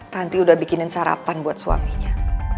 nanti udah bikinin sarapan buat suaminya